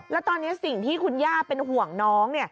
แล้วตอนนี้สิ่งที่คุณย่าเป็นห่วงน้อง